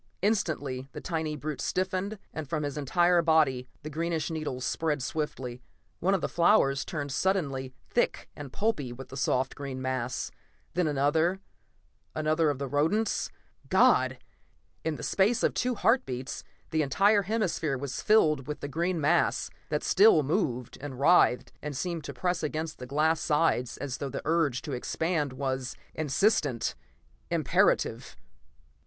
Instantly the tiny brute stiffened, and from his entire body the greenish needles spread swiftly. One of the flowers turned suddenly thick and pulpy with the soft green mass, then another, another of the rodents ... God! In the space of two heart beats, the entire hemisphere was filled with the green mass, that still moved and writhed and seemed to press against the glass sides as though the urge to expand was insistent, imperative....